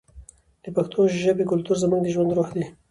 د پښتو ژبې کلتور زموږ د ژوند روح دی.